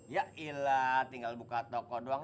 ya ilah tinggal buka toko doang